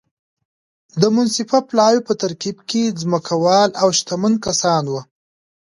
د منصفه پلاوي په ترکیب کې ځمکوال او شتمن کسان وو.